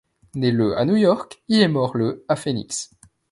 Né le à New York, il est mort le à Phoenix.